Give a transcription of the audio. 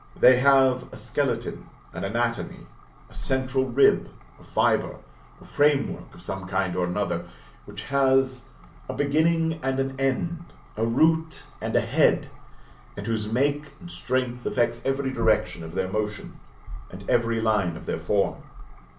They have a skeleton, an anatomy, a central rib, or fibre, or framework of some kind or another, which has a beginning and an end, a root and head, and whose make and strength effects every direction of their motion, and every line of their form.